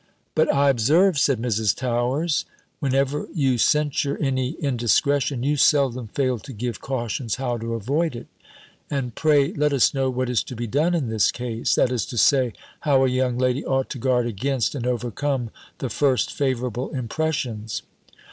"But I observe," said Mrs. Towers, "whenever you censure any indiscretion, you seldom fail to give cautions how to avoid it; and pray let us know what is to be done in this case? That is to say, how a young lady ought to guard against and overcome the first favourable impressions?"